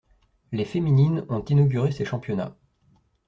Les féminines ont inauguré ces championnats.